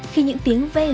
khi những tiếng veo